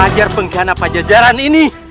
ajar penggana pajajaran ini